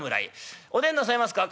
「おでんになさいますか？